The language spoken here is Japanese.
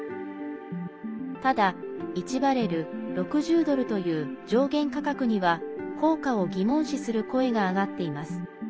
ただ、１バレル＝６０ドルという上限価格には効果を疑問視する声が上がっています。